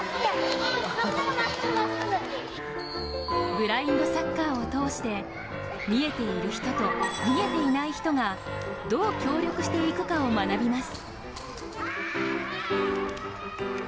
ブラインドサッカーを通して見えている人と見えていない人がどう協力していくかを学びます。